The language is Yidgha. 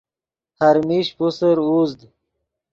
ہر میش پوسر اُوزد